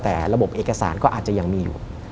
แต่ระบบเอกสารก็อาจจะยังมีอยู่